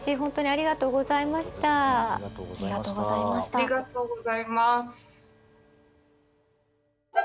ありがとうございます。